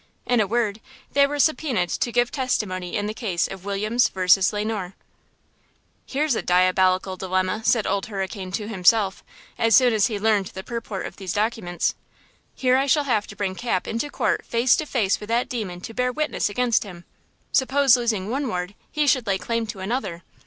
In a word, they were subpoenaed to give testimony in the case of Williams vs. Le Noir. "Here's a diabolical dilemma!" said Old Hurricane to himself, as soon as he learned the purport of these documents. "Here I shall have to bring Cap into court face to face with that demon to bear witness against him! Suppose losing one ward, he should lay claim to another!